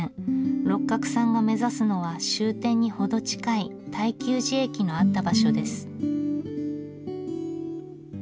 六角さんが目指すのは終点に程近い泰久寺駅のあった場所です。